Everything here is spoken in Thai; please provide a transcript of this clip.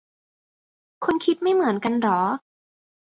คุณไม่คิดเหมือนกันหรอ